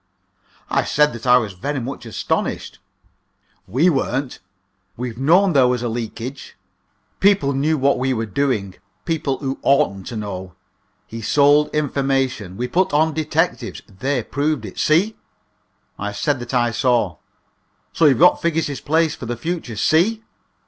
I said that I was very much astonished. "We weren't. We've known there was a leakage. People knew what we were doing people who oughtn't to know. He sold information. We put on detectives. They proved it. See?" I said that I saw. "So you've got Figgis's place for the future. See?"